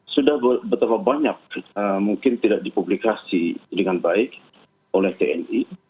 sudah betapa banyak mungkin tidak dipublikasi dengan baik oleh tni